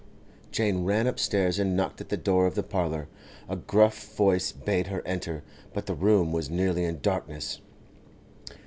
Jane ran upstairs and knocked at the door of the parlour. A gruff voice bade her enter, but the room was nearly in darkness.